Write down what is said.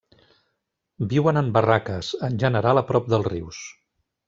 Viuen en barraques, en general a prop dels rius.